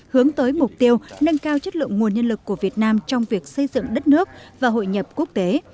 hướng tới mục tiêu nâng cao chất lượng nguồn nhân lực của việt nam trong việc xây dựng đất nước và hội nhập quốc tế